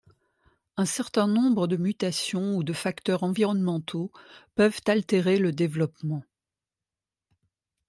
Un certain nombre de mutations ou de facteurs environnementaux peuvent altérer le développement.